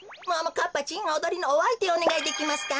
かっぱちんおどりのおあいてをおねがいできますか？